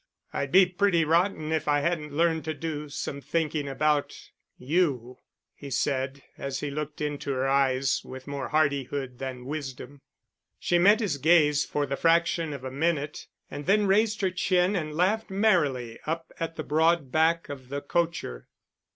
"I'd be pretty rotten if I hadn't learned to do some thinking about you," he said, as he looked into her eyes with more hardihood than wisdom. She met his gaze for the fraction of a minute and then raised her chin and laughed merrily up at the broad back of the cocher.